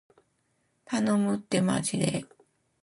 頼むってーまじで